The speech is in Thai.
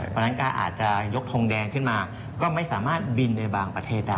เพราะฉะนั้นก็อาจจะยกทงแดงขึ้นมาก็ไม่สามารถบินในบางประเทศได้